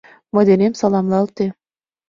Мый денем саламлалте.